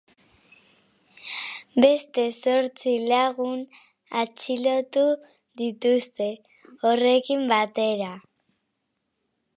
Beste zortzi lagun atxilotu dituzte horrekin batera.